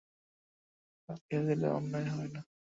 আপনার বই তো ঝড়কে ডরায় না, ওটা এখন রাখিয়া দিলে অন্যায় হয় না।